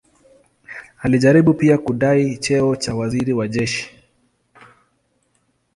Alijaribu pia kudai cheo cha waziri wa jeshi.